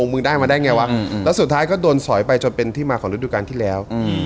มึงได้มาได้ไงวะแล้วสุดท้ายก็โดนสอยไปจนเป็นที่มาของฤดูการที่แล้ว